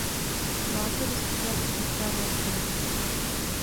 Plán tedy zpočátku zůstával stejný.